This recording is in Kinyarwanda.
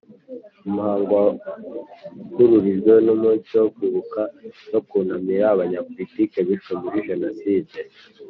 Umuhango wahujwe n’umunsi wo Kwibuka no kunamira Abanyapolitiki bishwe muri Jenoside.